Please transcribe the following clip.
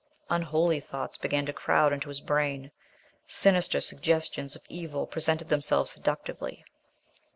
Unholy thoughts began to crowd into his brain, sinister suggestions of evil presented themselves seductively.